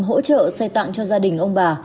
hỗ trợ xây tặng cho gia đình ông bà